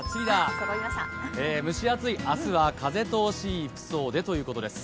蒸し暑い明日は、風通しいい服装でということです。